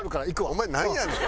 お前なんやねん！